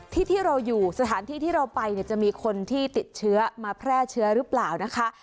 ที่เราอยู่สถานที่ที่เราไปเนี่ยจะมีคนที่ติดเชื้อมาแพร่เชื้อหรือเปล่านะคะ